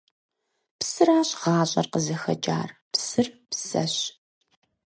Псыращ ГъащӀэр къызыхэкӀар. Псыр – псэщ!